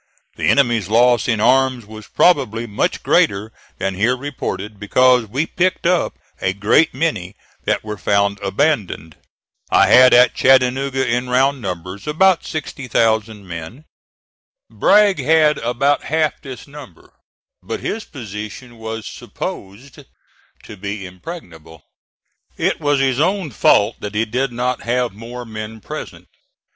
The enemy's loss in arms was probably much greater than here reported, because we picked up a great many that were found abandoned. I had at Chattanooga, in round numbers, about 60,000 men. Bragg had about half this number, but his position was supposed to be impregnable. It was his own fault that he did not have more men present.